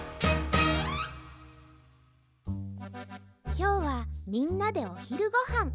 きょうはみんなでおひるごはん。